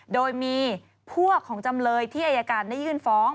โดยมีพวกของจำเลยที่อายการได้ยื่นฟ้อง